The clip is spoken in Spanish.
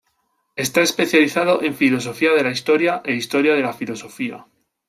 Está especializado en Filosofía de la Historia, e Historia de la Filosofía.